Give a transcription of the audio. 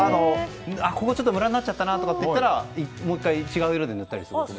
ここもムラになっちゃったなと思ったらもう１回違う色で塗ったりとか。